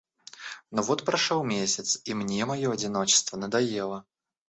Но вот прошёл месяц и мне моё одиночество надоело.